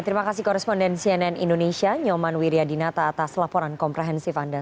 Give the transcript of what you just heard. terima kasih koresponden cnn indonesia nyoman wiryadinata atas laporan komprehensif anda